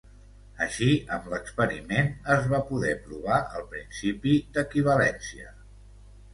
Així, amb l'experiment es va poder provar el principi d'equivalència.